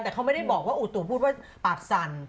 แต่เขาไม่ได้บอกว่าอุตุพูดว่าปากสั่น